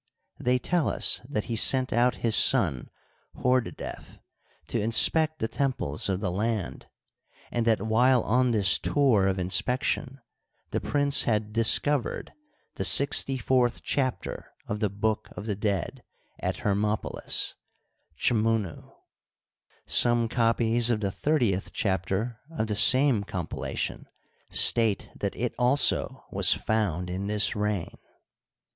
They tell us that he sent out his son Hordedef to inspect the temples of the land, and that while on this tour of inspec tion the prince had "discovered" the sixty fourth chapter of the "Book of the Dead" at Hermopolis {Chmunu), Some copies of the thirtieth chapter of the same compila tion state that it also was " found " in this reig^.